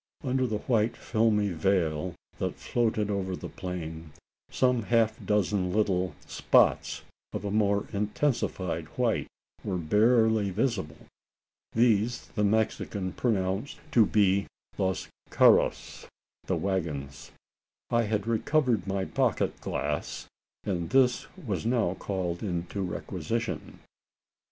Under the white filmy veil that floated over the plain, some half dozen little, spots of a more intensified white were barely visible. These the Mexican pronounced to be "los carros" (the waggons). I had recovered my pocket glass, and this was now called into requisition.